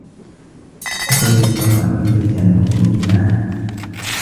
أفضل البقاء في البيت على الخروج معه.